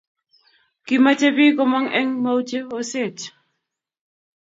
Kimache pik komag en mauche oset